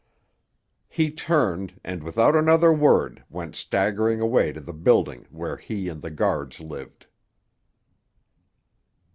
He turned, and without another word went staggering away to the building where he and the guards lived.